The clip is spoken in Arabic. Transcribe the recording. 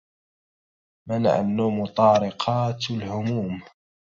منع النوم طارقات الهموم